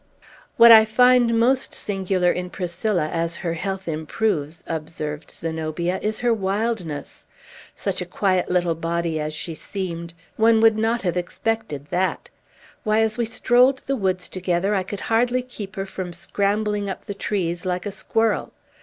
"What I find most singular in Priscilla, as her health improves," observed Zenobia, "is her wildness. Such a quiet little body as she seemed, one would not have expected that. Why, as we strolled the woods together, I could hardly keep her from scrambling up the trees, like a squirrel.